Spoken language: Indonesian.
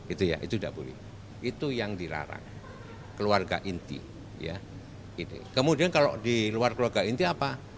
itu ya itu tidak boleh itu yang dilarang keluarga inti ya kemudian kalau di luar keluarga inti apa